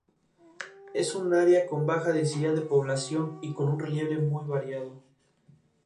Fue nombrado Guizhou en homenaje a Guizhou provincia de la República Popular China.